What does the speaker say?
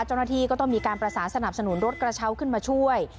เจ้าหน้าที่ก็ต้องมีการประสานสนับสนุนรถกระเช้าขึ้นมาช่วย